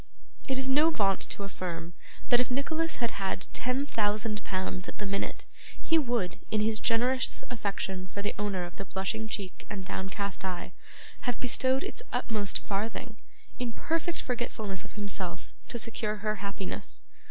It is no vaunt to affirm that if Nicholas had had ten thousand pounds at the minute, he would, in his generous affection for the owner of the blushing cheek and downcast eye, have bestowed its utmost farthing, in perfect forgetfulness of himself, to secure her happiness.